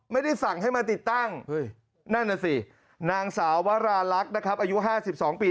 ไม่ได้สั่งให้มาติดตั้งอุ๊ยนั่นน่ะสินางสาวรารักษ์นะครับอายุห้าสิบสองปี